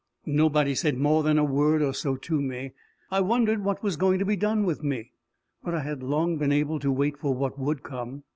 Nobody said more than a word or so to me. I wondered what was going to be done with me, but I had long been able to wait for what would come.